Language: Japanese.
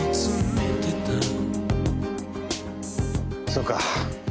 そうか。